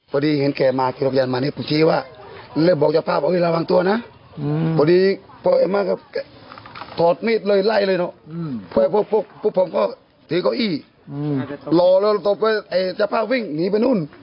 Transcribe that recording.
ปุ๊บผมก็ทีเก้าอี้หล่อแล้วตบไว้ไอ้เจ้าพ่อวิ่งหนีไปนู่น